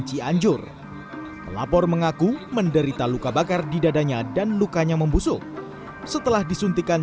cianjur pelapor mengaku menderita luka bakar di dadanya dan lukanya membusuk setelah disuntikan